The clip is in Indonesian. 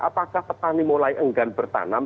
apakah petani mulai enggan bertanam